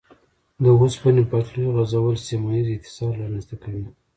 د اوسپنې پټلۍ غځول سیمه ییز اتصال رامنځته کوي.